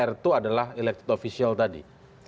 apa itu adalah elected official tadi